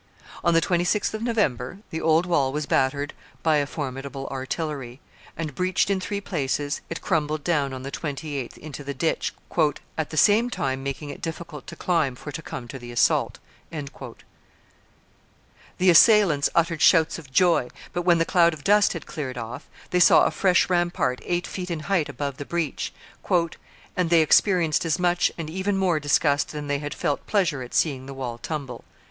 On the 26th of November the old wall was battered by a formidable artillery; and, breached in three places, it crumbled down on the 28th into the ditch, "at the same time making it difficult to climb for to come to the assault." The assailants uttered shouts of joy; but, when the cloud of dust had cleared off, they saw a fresh rampart eight feet in height above the breach, "and they experienced as much and even more disgust than they had felt pleasure at seeing the wall tumble."